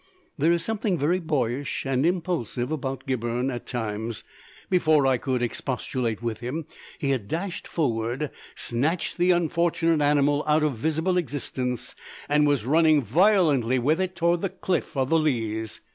There is something very boyish and impulsive about Gibberne at times. Before I could expostulate with him he had dashed forward, snatched the unfortunate animal out of visible existence, and was running violently with it towards the cliff of the Leas.